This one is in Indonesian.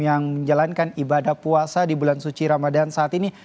yang menjalankan ibadah puasa di bulan suci ramadan saat ini